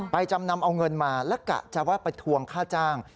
จำนำเอาเงินมาและกะจะว่าไปทวงค่าจ้าง